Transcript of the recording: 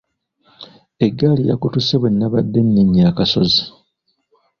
Eggaali yakutuse bwe nnabadde nninnya akasozi.